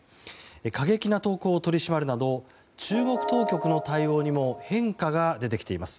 過激な投稿を取り締まるなど中国当局の対応にも変化が出てきています。